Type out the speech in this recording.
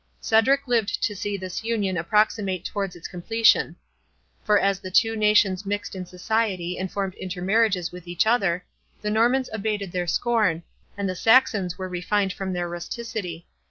Cedric lived to see this union approximate towards its completion; for as the two nations mixed in society and formed intermarriages with each other, the Normans abated their scorn, and the Saxons were refined from their rusticity.